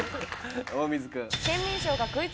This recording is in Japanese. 大水君。